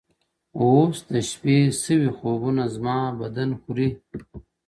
اوس د شپې سوي خوبونه زما بدن خوري!!